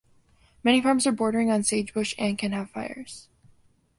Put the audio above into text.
Many farms are bordering on sagebrush, and can have fires.